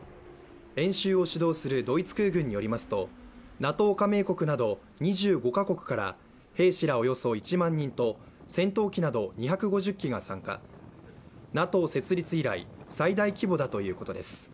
演習を主導するドイツ空軍によりますとＮＡＴＯ加盟国など２５か国から兵士らおよそ１万人と戦闘機など２５０機が参加、ＮＡＴＯ設立以来最大規模だということです。